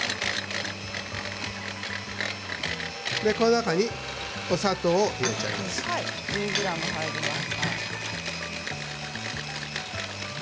中にお砂糖を入れちゃいます。